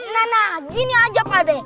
nah nah gini aja pak d